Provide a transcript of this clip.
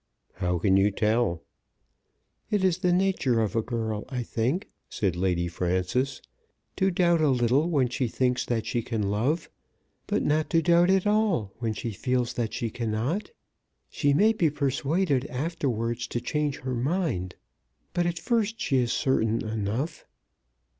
"How can you tell?" "It is the nature of a girl, I think," said Lady Frances, "to doubt a little when she thinks that she can love, but not to doubt at all when she feels that she cannot. She may be persuaded afterwards to change her mind, but at first she is certain enough."